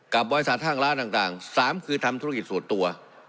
กับวัยสารท่างร้านต่างต่างสามคือทำธุรกิจส่วนตัว